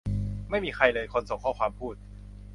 ไม่มีใครเลย คนส่งข้อความพูด